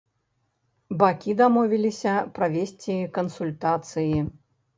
Бакі дамовіліся правесці кансультацыі.